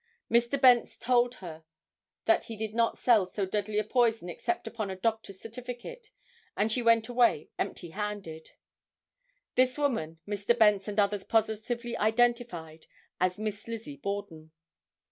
Mr. Bence told her that he did not sell so deadly a poison except upon a doctor's certificate and she went away empty handed. This woman, Mr. Bence and others positively identified as Miss Lizzie Borden.